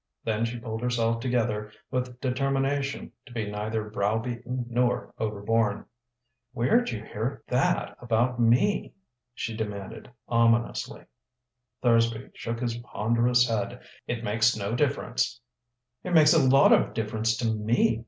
Then she pulled herself together with determination to be neither browbeaten nor overborne. "Where'd you hear that about me?" she demanded ominously. Thursby shook his ponderous head: "It makes no difference " "It makes a lot of difference to me!"